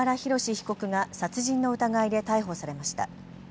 被告が殺人の疑いで逮捕されました。